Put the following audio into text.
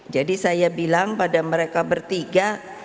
jadi saya bilang pada mereka bertiga